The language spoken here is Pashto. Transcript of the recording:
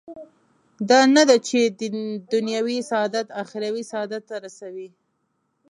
دا نه ده چې دنیوي سعادت اخروي سعادت ته رسوي.